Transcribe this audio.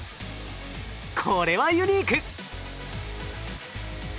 これはユニーク！